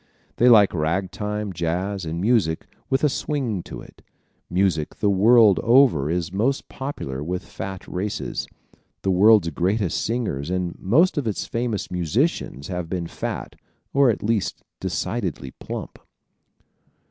They like ragtime, jazz and music with a swing to it. Music the world over is most popular with fat races. The world's greatest singers and most of its famous musicians have been fat or at least decidedly plump.